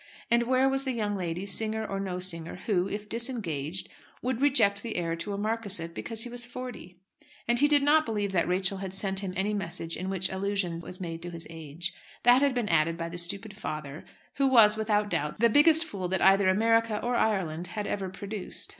And where was the young lady, singer or no singer, who if disengaged, would reject the heir to a marquisate because he was forty? And he did not believe that Rachel had sent him any message in which allusion was made to his age. That had been added by the stupid father, who was, without doubt, the biggest fool that either America or Ireland had ever produced.